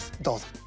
どうぞ。